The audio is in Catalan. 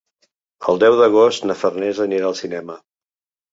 El deu d'agost na Farners anirà al cinema.